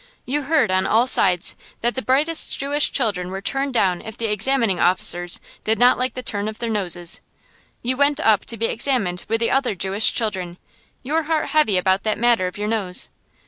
You heard on all sides that the brightest Jewish children were turned down if the examining officers did not like the turn of their noses. You went up to be examined with the other Jewish children, your heart heavy about that matter of your nose.